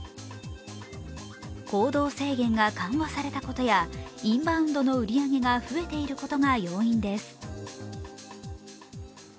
行動制限が緩和されたことやインバウンドの売り上げが増えていることが要因です。